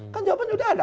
kan jawaban sudah ada